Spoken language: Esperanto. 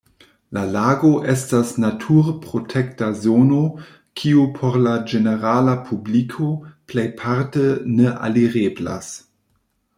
La lago estas naturprotekta zono, kiu por la ĝenerala publiko plejparte ne alireblas.